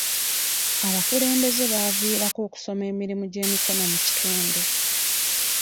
Abakulembeze baaviirako okusoma emirimu gy'emikono mu kitundu.